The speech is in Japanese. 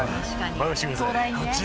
「任せてください」